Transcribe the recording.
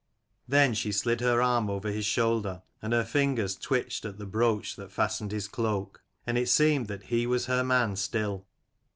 Then she slid her arm over his shoulder, and her fingers twitched at the brooch that fastened his cloak ; and it seemed that he was her man still.